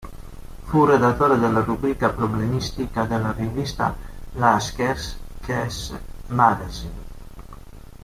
Fu redattore della rubrica problemistica della rivista "Lasker's Chess Magazine".